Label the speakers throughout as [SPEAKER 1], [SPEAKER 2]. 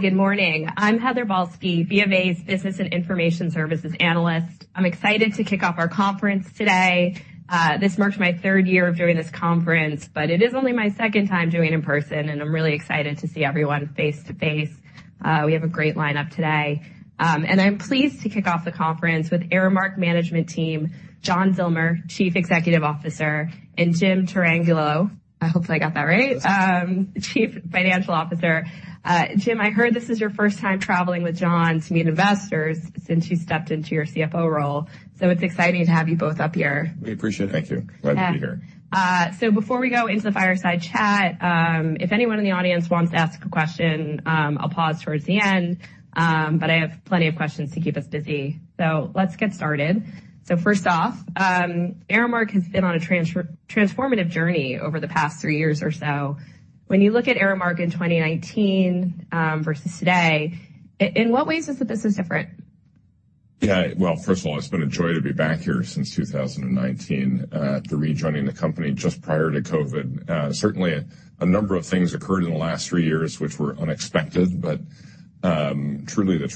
[SPEAKER 1] Good morning. I'm Heather Balsky, BofA Business and Information Services Analyst. I'm excited to kick off our conference today. This marks my third year of doing this conference, but it is only my second time doing it in person, and I'm really excited to see everyone face to face. We have a great lineup today. I'm pleased to kick off the conference with Aramark Management team, John Zillmer, Chief Executive Officer, and Jim Tarangelo. I hope I got that right.
[SPEAKER 2] Yes.
[SPEAKER 1] Chief Financial Officer. Jim, I heard this is your first time traveling with John to meet investors since you stepped into your CFO role, so it's exciting to have you both up here.
[SPEAKER 2] We appreciate it.
[SPEAKER 3] Thank you. Glad to be here.
[SPEAKER 1] So before we go into the fireside chat, if anyone in the audience wants to ask a question, I'll pause towards the end, but I have plenty of questions to keep us busy. So let's get started. So first off, Aramark has been on a transformative journey over the past three years or so. When you look at Aramark in 2019, versus today, in what ways is the business different?
[SPEAKER 3] Yeah. Well, first of all, it's been a joy to be back here since 2019, to rejoining the company just prior to COVID. Certainly, a number of things occurred in the last three years which were unexpected, but truly, the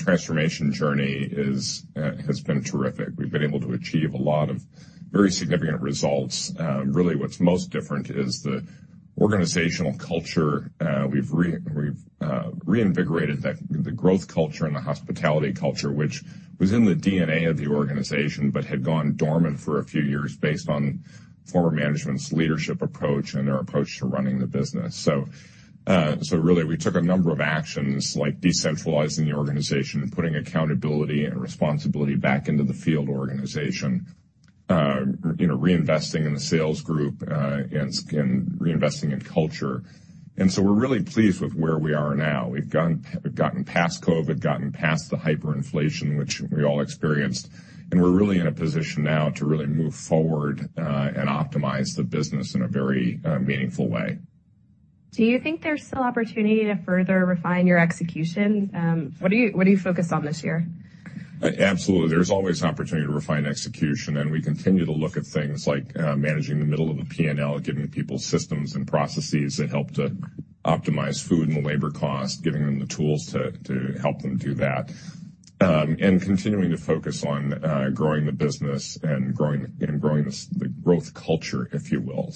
[SPEAKER 3] transformation journey has been terrific. We've been able to achieve a lot of very significant results. Really, what's most different is the organizational culture. We've reinvigorated the growth culture and the hospitality culture which was in the DNA of the organization but had gone dormant for a few years based on former management's leadership approach and their approach to running the business. So really, we took a number of actions like decentralizing the organization, putting accountability and responsibility back into the field organization, you know, reinvesting in the sales group, and reinvesting in culture. And so we're really pleased with where we are now. We've gotten past COVID, gotten past the hyperinflation which we all experienced, and we're really in a position now to really move forward, and optimize the business in a very meaningful way.
[SPEAKER 1] Do you think there's still opportunity to further refine your execution? What do you focus on this year?
[SPEAKER 3] Absolutely. There's always opportunity to refine execution, and we continue to look at things like managing the middle of the P&L, giving people systems and processes that help to optimize food and labor costs, giving them the tools to help them do that, and continuing to focus on growing the business and growing the growth culture, if you will.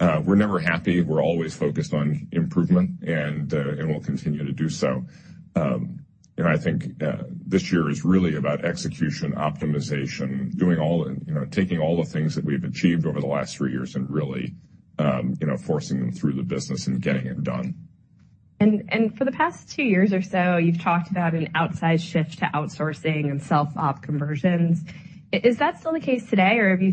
[SPEAKER 3] So, we're never happy. We're always focused on improvement, and we'll continue to do so. And I think this year is really about execution, optimization, doing all the, you know, taking all the things that we've achieved over the last three years and really, you know, forcing them through the business and getting it done.
[SPEAKER 1] And for the past two years or so, you've talked about an outsize shift to outsourcing and self-op conversions. Is that still the case today, or have you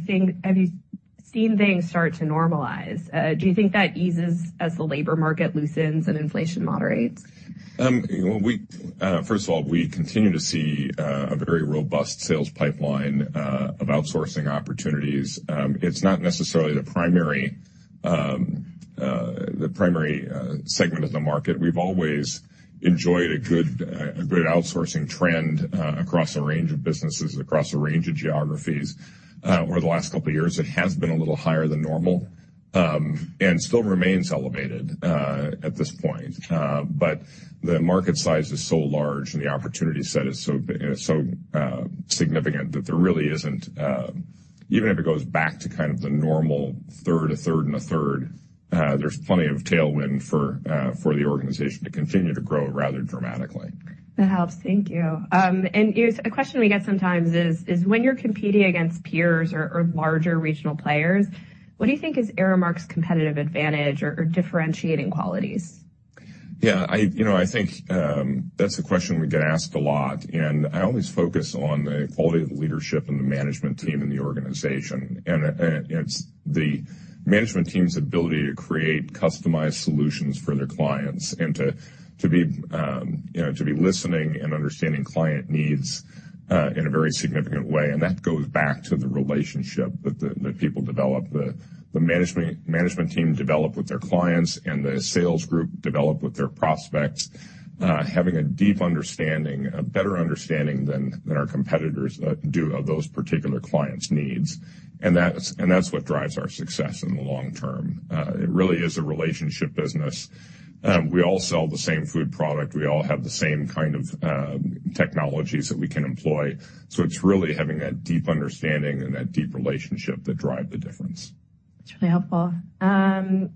[SPEAKER 1] seen things start to normalize? Do you think that eases as the labor market loosens and inflation moderates?
[SPEAKER 3] Well, we first of all continue to see a very robust sales pipeline of outsourcing opportunities. It's not necessarily the primary segment of the market. We've always enjoyed a good outsourcing trend across a range of businesses, across a range of geographies. Over the last couple of years, it has been a little higher than normal, and still remains elevated at this point. But the market size is so large, and the opportunity set is so big, so significant that there really isn't, even if it goes back to kind of the normal third, a third, and a third, there's plenty of tailwind for the organization to continue to grow rather dramatically.
[SPEAKER 1] That helps. Thank you. It's a question we get sometimes: is, when you're competing against peers or, or larger regional players, what do you think is Aramark's competitive advantage or, or differentiating qualities?
[SPEAKER 3] Yeah. I, you know, I think that's a question we get asked a lot, and I always focus on the quality of the leadership and the management team in the organization. And it's the management team's ability to create customized solutions for their clients and to, to be, you know, to be listening and understanding client needs, in a very significant way. And that goes back to the relationship that the people develop. The management team develops with their clients, and the sales group develops with their prospects, having a deep understanding, a better understanding than our competitors do of those particular clients' needs. And that's what drives our success in the long term. It really is a relationship business. We all sell the same food product. We all have the same kind of technologies that we can employ. It's really having that deep understanding and that deep relationship that drive the difference.
[SPEAKER 1] That's really helpful. I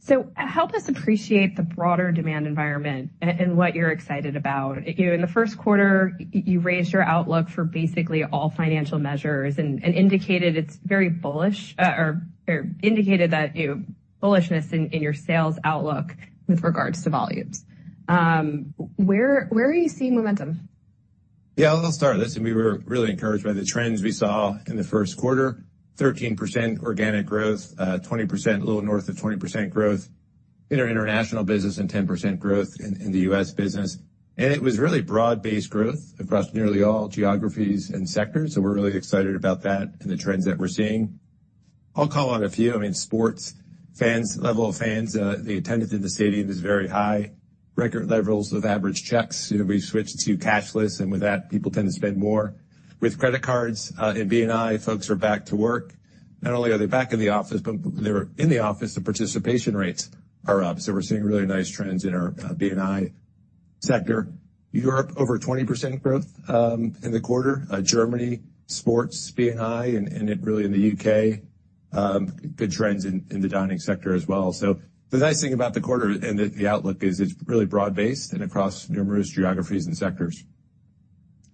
[SPEAKER 1] so help us appreciate the broader demand environment and what you're excited about. You know, in the Q1, you raised your outlook for basically all financial measures and indicated it's very bullish, or indicated that, you know, bullishness in your sales outlook with regards to volumes. Where are you seeing momentum?
[SPEAKER 2] Yeah. I'll start with this. I mean, we were really encouraged by the trends we saw in the Q1: 13% organic growth, 20% a little north of 20% growth in our international business, and 10% growth in the U.S. business. And it was really broad-based growth across nearly all geographies and sectors, so we're really excited about that and the trends that we're seeing. I'll call on a few. I mean, sports fans level of fans, the attendance in the stadium is very high, record levels of average checks. Y ou know, we've switched to cashless, and with that, people tend to spend more. With credit cards, and B&I, folks are back to work. Not only are they back in the office, but they're in the office, the participation rates are up, so we're seeing really nice trends in our B&I sector. Europe, over 20% growth, in the quarter. Germany, sports, B&I, and it really in the UK, good trends in the dining sector as well. So the nice thing about the quarter and the outlook is it's really broad-based and across numerous geographies and sectors.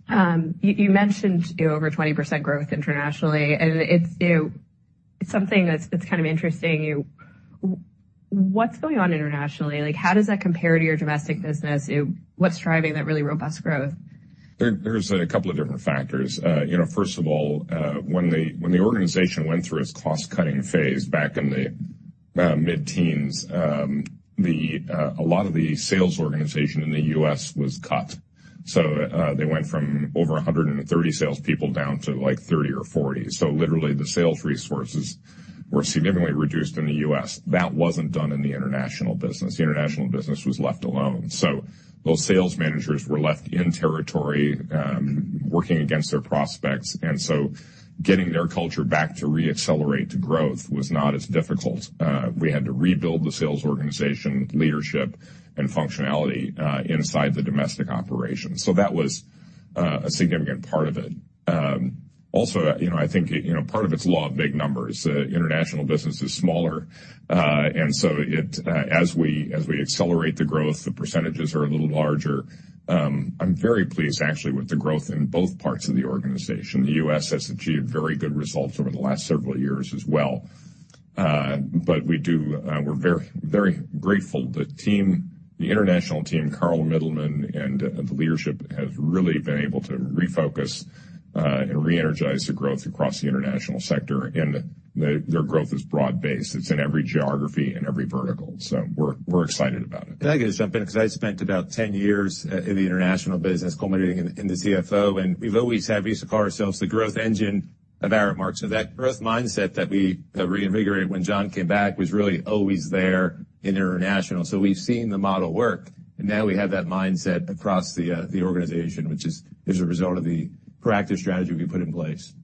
[SPEAKER 1] You mentioned, you know, over 20% growth internationally, and it's, you know, something that's kind of interesting. What's going on internationally? Like, how does that compare to your domestic business? You know, what's driving that really robust growth?
[SPEAKER 3] There's a couple of different factors, you know. First of all, when the organization went through its cost-cutting phase back in the mid-teens, a lot of the sales organization in the US was cut. So, they went from over 130 salespeople down to, like, 30 or 40. So literally, the sales resources were significantly reduced in the US. That wasn't done in the international business. The international business was left alone. So those sales managers were left in territory, working against their prospects, and so getting their culture back to reaccelerate to growth was not as difficult. We had to rebuild the sales organization, leadership, and functionality inside the domestic operations. So that was a significant part of it. Also, you know, I think it, you know, part of it's law of big numbers. International business is smaller, and so it, as we accelerate the growth, the percentages are a little larger. I'm very pleased, actually, with the growth in both parts of the organization. The US has achieved very good results over the last several years as well. But we do, we're very, very grateful. The team, the international team, Carl Mittleman, and the leadership has really been able to refocus, and reenergize the growth across the international sector, and their growth is broad-based. It's in every geography and every vertical, so we're, we're excited about it.
[SPEAKER 2] I gotta jump in 'cause I spent about 10 years in the international business culminating in the CFO, and we've always had, we used to call ourselves the growth engine of Aramark. So that growth mindset that we reinvigorated when John came back was really always there in international. So we've seen the model work, and now we have that mindset across the organization which is a result of the proactive strategy we put in place.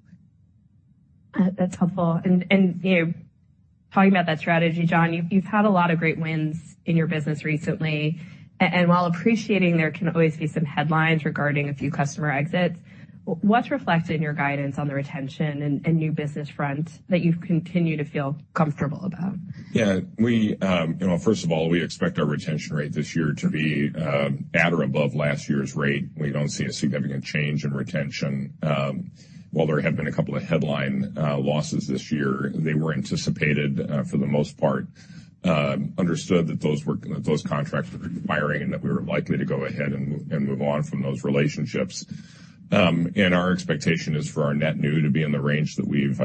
[SPEAKER 1] That's helpful. And you know, talking about that strategy, John, you've had a lot of great wins in your business recently. And while appreciating there can always be some headlines regarding a few customer exits, what's reflected in your guidance on the retention and new business front that you've continued to feel comfortable about?
[SPEAKER 3] Yeah. We, you know, first of all, we expect our retention rate this year to be, at or above last year's rate. We don't see a significant change in retention. While there have been a couple of headline losses this year, they were anticipated, for the most part. Understood that those were those contracts were expiring and that we were likely to go ahead and move on from those relationships. Our expectation is for our net new to be in the range that we've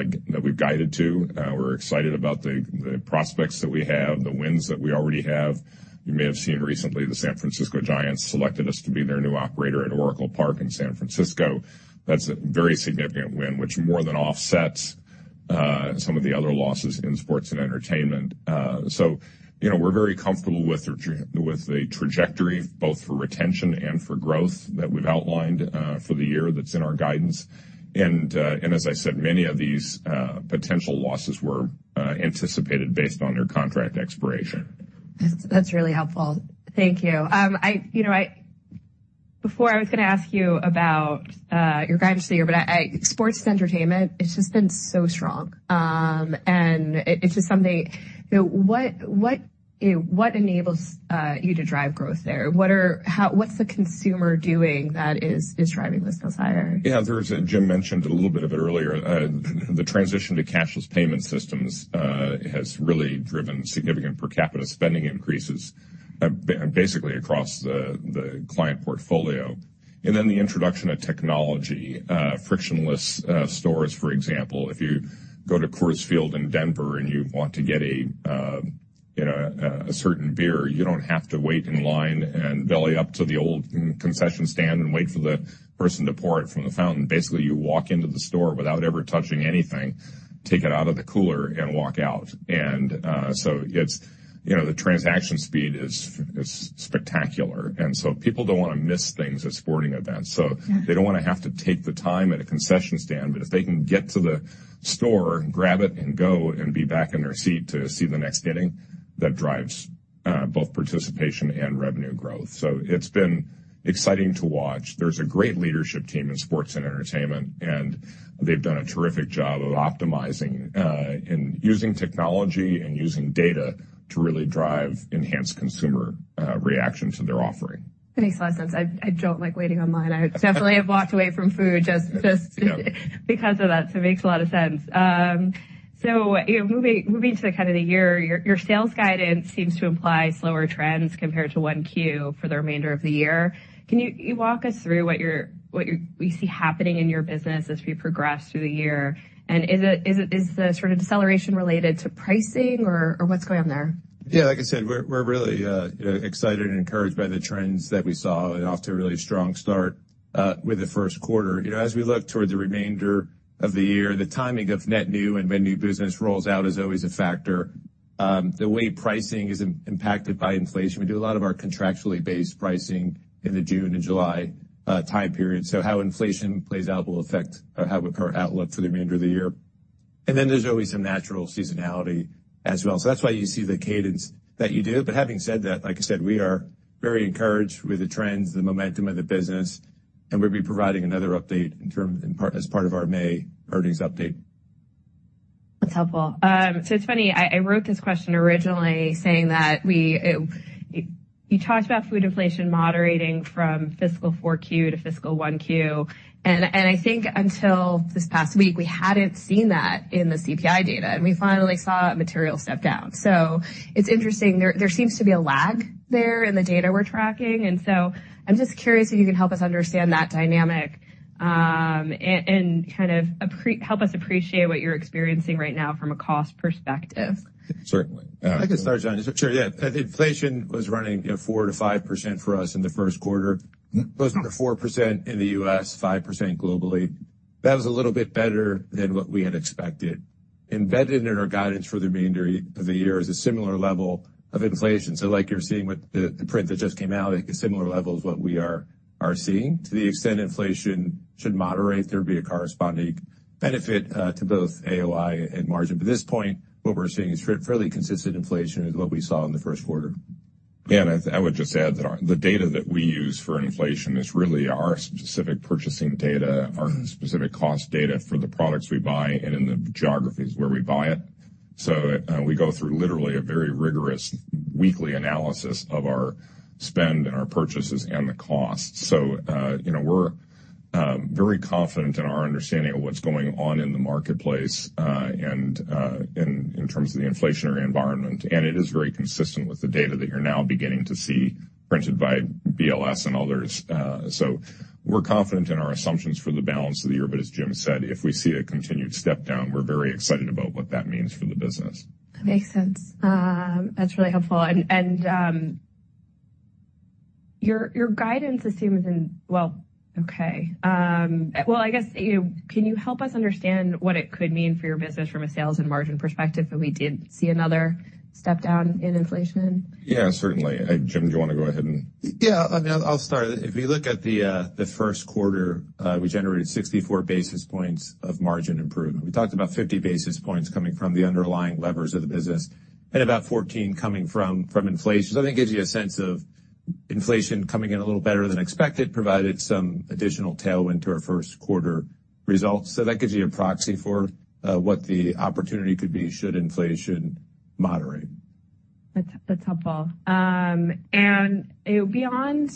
[SPEAKER 3] guided to. We're excited about the prospects that we have, the wins that we already have. You may have seen recently, the San Francisco Giants selected us to be their new operator at Oracle Park in San Francisco. That's a very significant win which more than offsets some of the other losses in sports and entertainment. So, you know, we're very comfortable with the trajectory both for retention and for growth that we've outlined for the year that's in our guidance. And as I said, many of these potential losses were anticipated based on their contract expiration.
[SPEAKER 1] That's really helpful. Thank you. You know, before I was gonna ask you about your guidance this year, but sports and entertainment, it's just been so strong. And it's just something you know, what enables you to drive growth there? What about how what's the consumer doing that is driving those sales higher?
[SPEAKER 3] Yeah. There's Jim mentioned a little bit of it earlier. The transition to cashless payment systems has really driven significant per capita spending increases, basically across the client portfolio. And then the introduction of technology, frictionless stores, for example. If you go to Coors Field in Denver and you want to get a, you know, a certain beer, you don't have to wait in line and belly up to the old concession stand and wait for the person to pour it from the fountain. Basically, you walk into the store without ever touching anything, take it out of the cooler, and walk out. And so it's, you know, the transaction speed is spectacular. And so people don't wanna miss things at sporting events. So.
[SPEAKER 1] Yeah.
[SPEAKER 3] They don't wanna have to take the time at a concession stand, but if they can get to the store, grab it, and go, and be back in their seat to see the next hitting, that drives, both participation and revenue growth. So it's been exciting to watch. There's a great leadership team in sports and entertainment, and they've done a terrific job of optimizing, and using technology and using data to really drive enhanced consumer, reaction to their offering.
[SPEAKER 1] It makes a lot of sense. I don't like waiting in line. I definitely have walked away from food just.
[SPEAKER 3] Yeah.
[SPEAKER 1] Because of that. So it makes a lot of sense. So, you know, moving to the kind of the year, your sales guidance seems to imply slower trends compared to 1Q for the remainder of the year. Can you walk us through what you see happening in your business as we progress through the year? And is it the sort of deceleration related to pricing, or what's going on there?
[SPEAKER 2] Yeah. Like I said, we're really, you know, excited and encouraged by the trends that we saw and off to a really strong start, with the Q1. You know, as we look toward the remainder of the year, the timing of net new and when new business rolls out is always a factor. The way pricing is impacted by inflation, we do a lot of our contractually-based pricing in the June and July time period, so how inflation plays out will affect how our outlook for the remainder of the year. And then there's always some natural seasonality as well. So that's why you see the cadence that you do. But having said that, like I said, we are very encouraged with the trends, the momentum of the business, and we'll be providing another update in part as part of our May earnings update.
[SPEAKER 1] That's helpful. So it's funny. I, I wrote this question originally saying that you talked about food inflation moderating from fiscal 4Q to fiscal 1Q, and, and I think until this past week, we hadn't seen that in the CPI data, and we finally saw a material step down. So it's interesting. There, there seems to be a lag there in the data we're tracking, and so I'm just curious if you can help us understand that dynamic, and kind of help us appreciate what you're experiencing right now from a cost perspective.
[SPEAKER 3] Certainly.
[SPEAKER 2] I can start, John. Sure. Yeah. Inflation was running, you know, 4%-5% for us in the Q1. It was 4% in the U.S., 5% globally. That was a little bit better than what we had expected. Embedded in our guidance for the remainder of the year is a similar level of inflation. So like you're seeing with the print that just came out, like, a similar level is what we are seeing. To the extent inflation should moderate, there'd be a corresponding benefit to both AOI and margin. But at this point, what we're seeing is fairly consistent inflation with what we saw in the Q1.
[SPEAKER 3] Yeah. I would just add that our data that we use for inflation is really our specific purchasing data, our specific cost data for the products we buy and in the geographies where we buy it. So, you know, we're very confident in our understanding of what's going on in the marketplace, and in terms of the inflationary environment. And it is very consistent with the data that you're now beginning to see printed by BLS and others. So we're confident in our assumptions for the balance of the year, but as Jim said, if we see a continued step down, we're very excited about what that means for the business.
[SPEAKER 1] That makes sense. That's really helpful. And your guidance assumes in well, okay. Well, I guess, you know, can you help us understand what it could mean for your business from a sales and margin perspective if we did see another step down in inflation?
[SPEAKER 3] Yeah. Certainly. Jim, do you wanna go ahead and?
[SPEAKER 2] Yeah. I mean, I'll start. If we look at the Q1, we generated 64 basis points of margin improvement. We talked about 50 basis points coming from the underlying levers of the business and about 14 coming from inflation. So that gives you a sense of inflation coming in a little better than expected, provided some additional tailwind to our Q1 results. So that gives you a proxy for what the opportunity could be should inflation moderate.
[SPEAKER 1] That's helpful. And, you know, beyond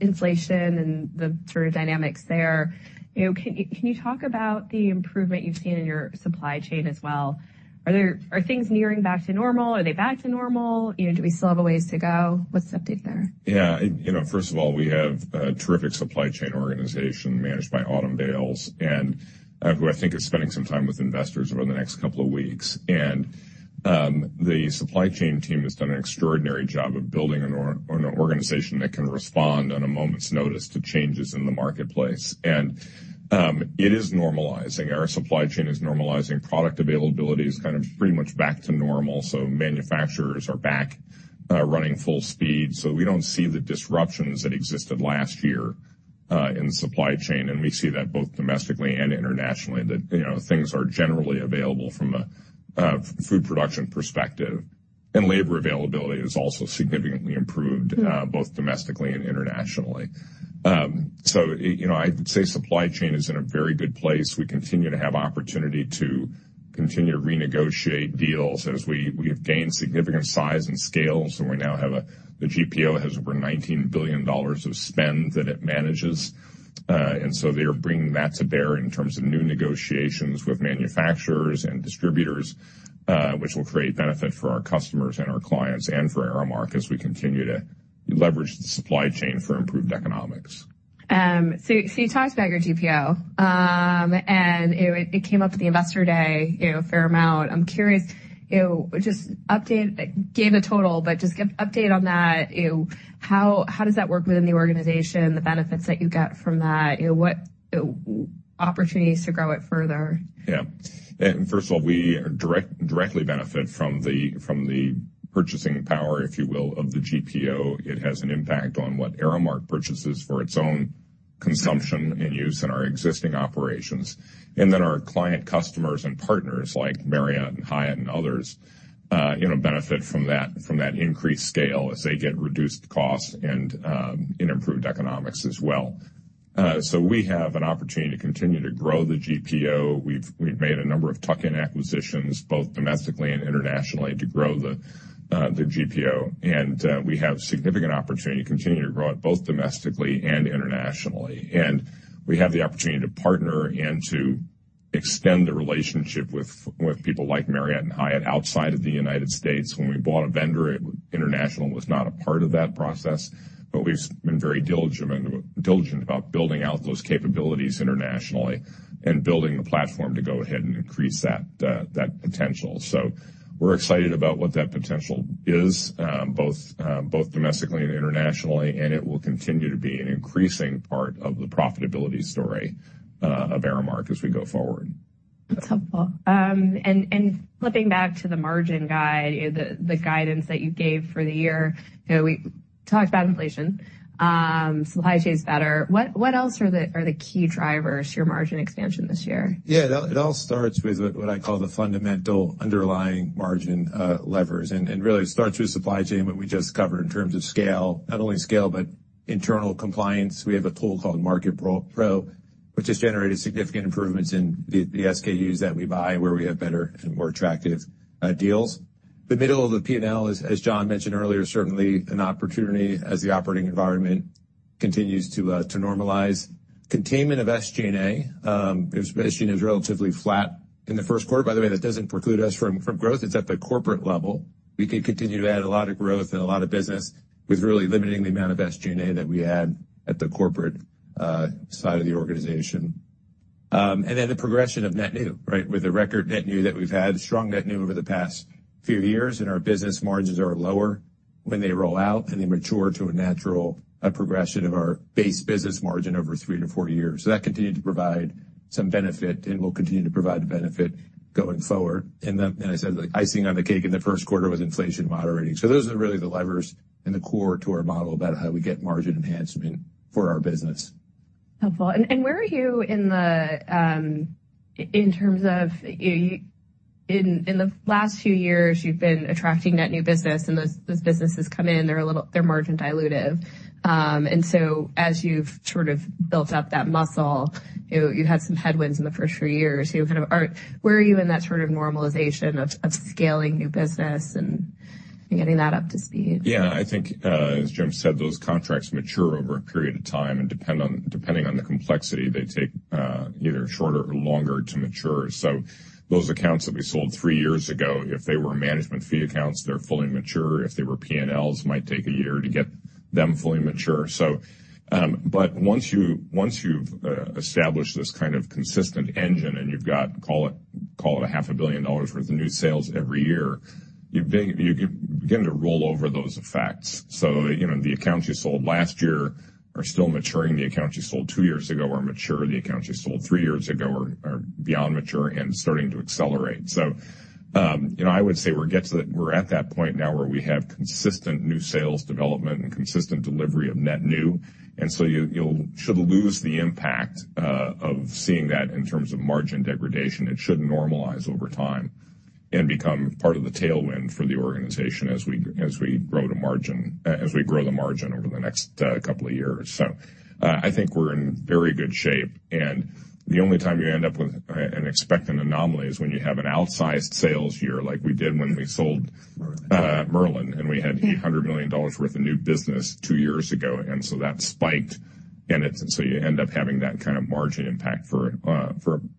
[SPEAKER 1] inflation and the sort of dynamics there, you know, can you talk about the improvement you've seen in your supply chain as well? Are things nearing back to normal? Are they back to normal? You know, do we still have a ways to go? What's the update there?
[SPEAKER 3] Yeah, you know, first of all, we have a terrific supply chain organization managed by Autumn Bayles, who I think is spending some time with investors over the next couple of weeks. The supply chain team has done an extraordinary job of building an organization that can respond on a moment's notice to changes in the marketplace. It is normalizing. Our supply chain is normalizing. Product availability is kind of pretty much back to normal, so manufacturers are back running full speed. We don't see the disruptions that existed last year in the supply chain, and we see that both domestically and internationally, you know, things are generally available from a food production perspective. Labor availability is also significantly improved. Both domestically and internationally. So I you know, I'd say supply chain is in a very good place. We continue to have opportunity to continue to renegotiate deals as we have gained significant size and scale, so we now have the GPO has over $19 billion of spend that it manages. And so they are bringing that to bear in terms of new negotiations with manufacturers and distributors, which will create benefit for our customers and our clients and for Aramark as we continue to leverage the supply chain for improved economics.
[SPEAKER 1] So, you talked about your GPO, and, you know, it came up at the investor day, you know, a fair amount. I'm curious, you know, just update give a total, but just give update on that, you know, how does that work within the organization, the benefits that you get from that, you know, what, you know, opportunities to grow it further?
[SPEAKER 3] Yeah. First of all, we directly benefit from the purchasing power, if you will, of the GPO. It has an impact on what Aramark purchases for its own consumption and use in our existing operations. And then our client customers and partners like Marriott and Hyatt and others, you know, benefit from that increased scale as they get reduced costs and improved economics as well. So we have an opportunity to continue to grow the GPO. We've made a number of tuck-in acquisitions both domestically and internationally to grow the GPO. And we have significant opportunity to continue to grow it both domestically and internationally. And we have the opportunity to partner and to extend the relationship with people like Marriott and Hyatt outside of the United States. When we bought Avendra, our international was not a part of that process, but we've been very diligent about building out those capabilities internationally and building the platform to go ahead and increase that, that potential. So we're excited about what that potential is, both, both domestically and internationally, and it will continue to be an increasing part of the profitability story, of Aramark as we go forward.
[SPEAKER 1] That's helpful. And flipping back to the margin guidance, you know, the guidance that you gave for the year, you know, we talked about inflation. Supply chain's better. What else are the key drivers to your margin expansion this year?
[SPEAKER 2] Yeah. It all starts with what I call the fundamental underlying margin levers. And really, it starts with supply chain, what we just covered in terms of scale, not only scale but internal compliance. We have a tool called MarketPro which has generated significant improvements in the SKUs that we buy where we have better and more attractive deals. The middle of the P&L is, as John mentioned earlier, certainly an opportunity as the operating environment continues to normalize. Containment of SG&A, you know, SG&A is relatively flat in the Q1. By the way, that doesn't preclude us from growth. It's at the corporate level. We could continue to add a lot of growth and a lot of business with really limiting the amount of SG&A that we add at the corporate side of the organization. And then the progression of net new, right, with the record net new that we've had, strong net new over the past few years, and our business margins are lower when they roll out and they mature to a natural progression of our base business margin over 3-4 years. So that continued to provide some benefit and will continue to provide the benefit going forward. And then I said, like, icing on the cake in the Q1 was inflation moderating. So those are really the levers and the core to our model about how we get margin enhancement for our business.
[SPEAKER 1] Helpful. And where are you in the in terms of, you know, in the last few years, you've been attracting net new business, and those businesses come in, they're a little, they're margin dilutive. And so as you've sort of built up that muscle, you know, you've had some headwinds in the first few years, you know, where are you in that sort of normalization of scaling new business and getting that up to speed?
[SPEAKER 3] Yeah. I think, as Jim said, those contracts mature over a period of time and depending on the complexity, they take either shorter or longer to mature. So those accounts that we sold three years ago, if they were management fee accounts, they're fully mature. If they were P&Ls, it might take a year to get them fully mature. So, but once you've established this kind of consistent engine and you've got call it a half a billion dollars' worth of new sales every year, you're beginning to roll over those effects. So, you know, the accounts you sold last year are still maturing. The accounts you sold two years ago are mature. The accounts you sold three years ago are beyond mature and starting to accelerate. So, you know, I would say we're at that point now where we have consistent new sales development and consistent delivery of net new. And so you should lose the impact of seeing that in terms of margin degradation. It should normalize over time and become part of the tailwind for the organization as we grow the margin over the next couple of years. So, I think we're in very good shape. And the only time you end up with an expected anomaly is when you have an outsized sales year like we did when we sold.
[SPEAKER 2] Merlin.
[SPEAKER 3] Merlin, and we had $800 million worth of new business two years ago, and so that spiked, and it so you end up having that kind of margin impact for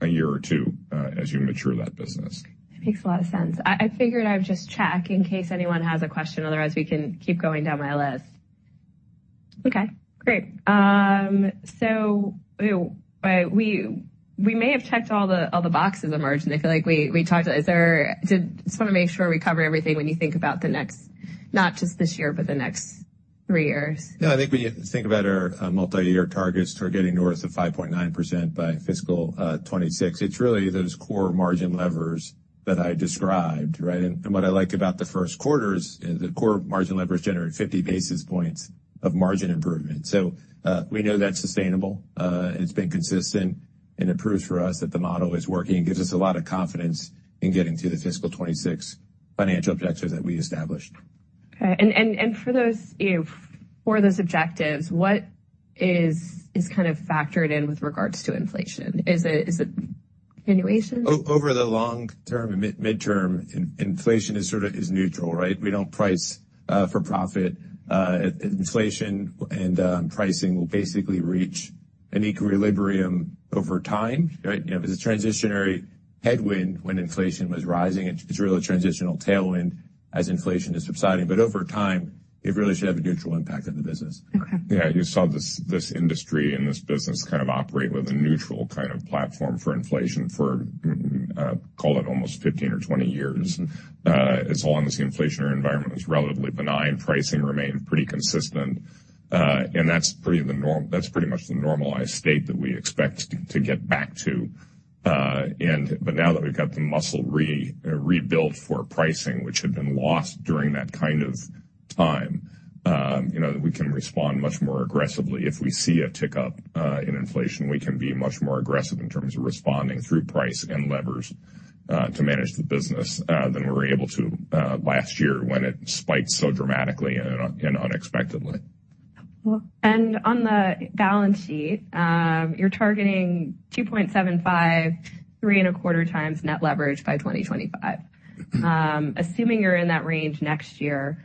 [SPEAKER 3] a year or two, as you mature that business.
[SPEAKER 1] That makes a lot of sense. I figured I would just check in case anyone has a question. Otherwise, we can keep going down my list. Okay. Great. So, you know, we may have checked all the boxes of margin. I feel like we talked. Is there did I just wanna make sure we cover everything when you think about the next, not just this year but the next three years.
[SPEAKER 2] Yeah. I think when you think about our multiyear targets targeting north of 5.9% by fiscal 2026, it's really those core margin levers that I described, right? And what I like about the Q1 is, you know, the core margin levers generate 50 basis points of margin improvement. So, we know that's sustainable, and it's been consistent, and it proves for us that the model is working and gives us a lot of confidence in getting to the fiscal 2026 financial objectives that we established.
[SPEAKER 1] Okay. For those, you know, for those objectives, what is kind of factored in with regards to inflation? Is it continuation?
[SPEAKER 2] Over the long term and mid-term, inflation is sort of neutral, right? We don't price for profit. Inflation and pricing will basically reach an equilibrium over time, right? You know, it was a transitory headwind when inflation was rising. It's really a transitional tailwind as inflation is subsiding. But over time, it really should have a neutral impact on the business.
[SPEAKER 1] Okay.
[SPEAKER 3] Yeah. You saw this, this industry and this business kind of operate with a neutral kind of platform for inflation for, call it almost 15 or 20 years. As long as the inflationary environment was relatively benign, pricing remained pretty consistent. That's pretty the norm that's pretty much the normalized state that we expect to get back to. But now that we've got the muscle rebuilt for pricing which had been lost during that kind of time, you know, we can respond much more aggressively. If we see a tick up in inflation, we can be much more aggressive in terms of responding through price and levers to manage the business than we were able to last year when it spiked so dramatically and unexpectedly.
[SPEAKER 1] Helpful. And on the balance sheet, you're targeting 2.75-3.25 times net leverage by 2025. Assuming you're in that range next year,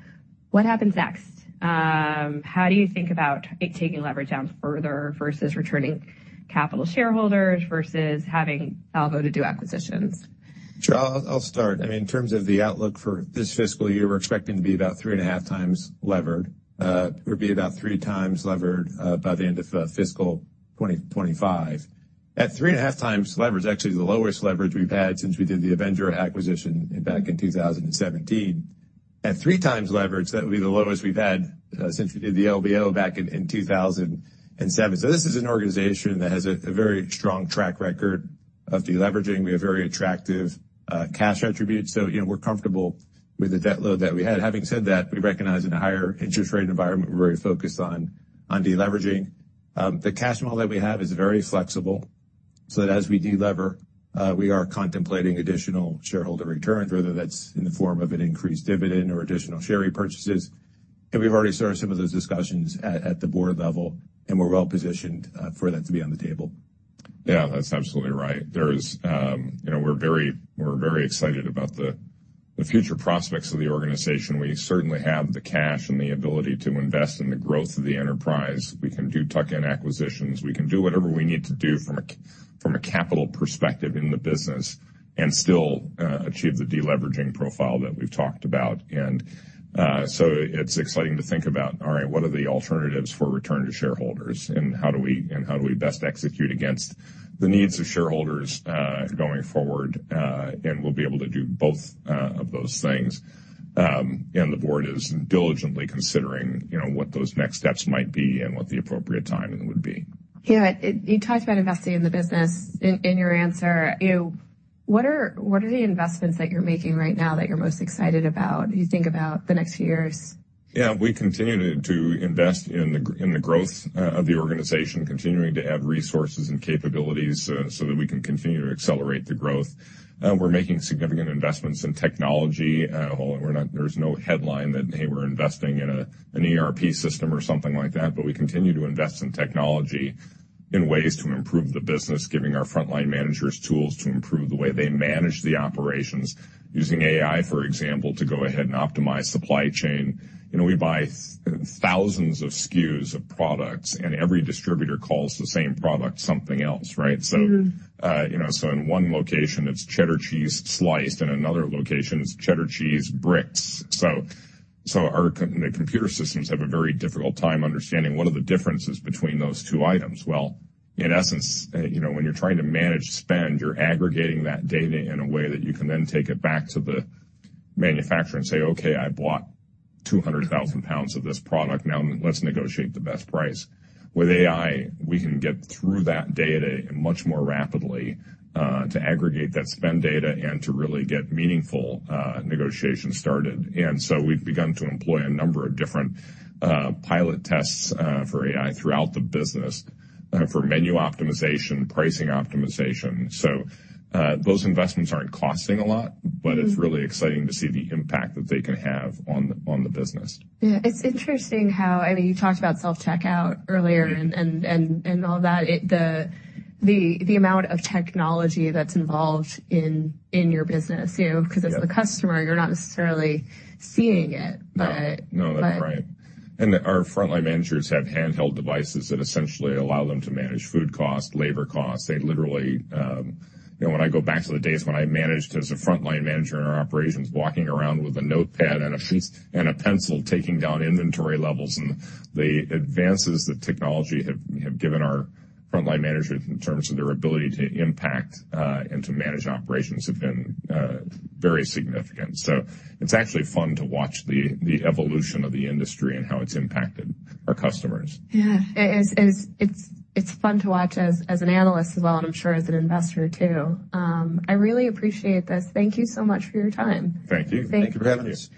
[SPEAKER 1] what happens next? How do you think about taking leverage down further versus returning capital shareholders versus having capital to do acquisitions?
[SPEAKER 2] Sure. I'll, I'll start. I mean, in terms of the outlook for this fiscal year, we're expecting to be about 3.5 times levered. We'll be about 3 times levered, by the end of fiscal 2025. At 3.5 times leverage, actually the lowest leverage we've had since we did the Avendra acquisition back in 2017, at 3 times leverage, that would be the lowest we've had, since we did the LBO back in 2007. So this is an organization that has a very strong track record of deleveraging. We have very attractive cash attributes. So, you know, we're comfortable with the debt load that we had. Having said that, we recognize in a higher interest rate environment, we're very focused on deleveraging. The cash model that we have is very flexible so that as we delever, we are contemplating additional shareholder returns, whether that's in the form of an increased dividend or additional share repurchases. We've already started some of those discussions at the board level, and we're well-positioned for that to be on the table.
[SPEAKER 3] Yeah. That's absolutely right. There's, you know, we're very we're very excited about the, the future prospects of the organization. We certainly have the cash and the ability to invest in the growth of the enterprise. We can do tuck-in acquisitions. We can do whatever we need to do from a capital perspective in the business and still achieve the deleveraging profile that we've talked about. So it's exciting to think about, all right, what are the alternatives for return to shareholders, and how do we and how do we best execute against the needs of shareholders, going forward? And we'll be able to do both of those things. And the board is diligently considering, you know, what those next steps might be and what the appropriate timing would be.
[SPEAKER 1] Yeah. You talked about investing in the business in your answer. You know, what are the investments that you're making right now that you're most excited about if you think about the next few years?
[SPEAKER 3] Yeah. We continue to invest in the growth of the organization, continuing to add resources and capabilities, so that we can continue to accelerate the growth. We're making significant investments in technology. Hold on. We're not. There's no headline that, "Hey, we're investing in an ERP system," or something like that. But we continue to invest in technology in ways to improve the business, giving our frontline managers tools to improve the way they manage the operations using AI, for example, to go ahead and optimize supply chain. You know, we buy thousands of SKUs of products, and every distributor calls the same product something else, right? So, you know, so in one location, it's cheddar cheese sliced. In another location, it's cheddar cheese bricks. So, so our, the computer systems have a very difficult time understanding what are the differences between those two items. Well, in essence, you know, when you're trying to manage spend, you're aggregating that data in a way that you can then take it back to the manufacturer and say, "Okay. I bought 200,000 pounds of this product. Now, let's negotiate the best price." With AI, we can get through that data much more rapidly, to aggregate that spend data and to really get meaningful negotiations started. And so we've begun to employ a number of different pilot tests for AI throughout the business, for menu optimization, pricing optimization. Those investments aren't costing a lot, but it's really exciting to see the impact that they can have on the business.
[SPEAKER 1] Yeah. It's interesting how I mean, you talked about self-checkout earlier.
[SPEAKER 3] Yeah.
[SPEAKER 1] And all that. It's the amount of technology that's involved in your business, you know, 'cause it's the customer. You're not necessarily seeing it, but.
[SPEAKER 3] No. No. That's right. And our frontline managers have handheld devices that essentially allow them to manage food cost, labor cost. They literally, you know, when I go back to the days when I managed as a frontline manager in our operations, walking around with a notepad and sheets and a pencil, taking down inventory levels, and the advances that technology have given our frontline managers in terms of their ability to impact, and to manage operations have been very significant. So it's actually fun to watch the evolution of the industry and how it's impacted our customers.
[SPEAKER 1] Yeah. It is, it's fun to watch as an analyst as well, and I'm sure as an investor too. I really appreciate this. Thank you so much for your time.
[SPEAKER 3] Thank you.
[SPEAKER 2] Thank you for having us.